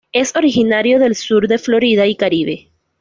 Es originario del sur de Florida y Caribe.